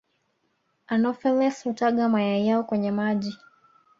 Anopheles hutaga mayai yao kwenye maji